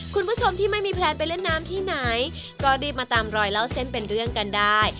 คุณผู้ชมที่ไม่มีแพลนไปเล่นน้ำที่ไหนก็รีบมาตามรอยเล่าเส้นเป็นเรื่องกันได้